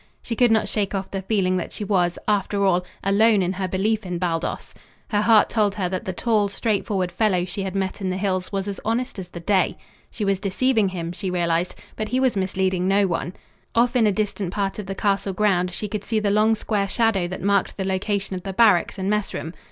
She could not shake off the feeling that she was, after all, alone in her belief in Baldos. Her heart told her that the tall, straightforward fellow she had met in the hills was as honest as the day. She was deceiving him, she realized, but he was misleading no one. Off in a distant part of the castle ground she could see the long square shadow that marked the location of the barracks and messroom.